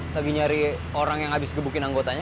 lagi nyari orang yang habis gebukin anggotanya